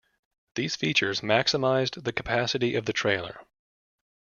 These features maximized the capacity of the trailer.